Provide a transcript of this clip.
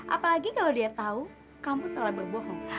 apalagi kalau dia tahu kamu telah berbohong